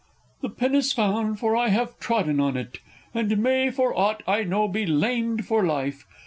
_ The pin is found for I have trodden on it, And may, for aught I know, be lamed for life.